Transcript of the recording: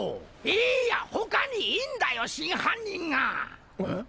いーや他にいんだよ真犯人が！えっ？